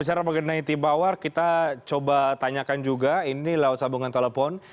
secara mengenai tim mawar kita coba tanyakan juga ini laut sabungan telepon